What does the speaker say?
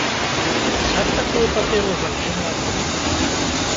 Пісаць такую паперу жанчына адмовілася.